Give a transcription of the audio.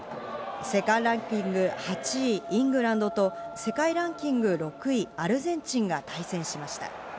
世界ランキング８位イングランドと世界ランキング６位アルゼンチンが対戦しました。